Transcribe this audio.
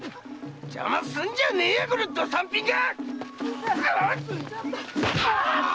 邪魔すんじゃねえやこのどサンピンが！